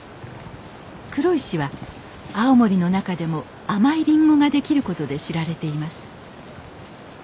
黒石は青森の中でも甘いリンゴができることで知られています。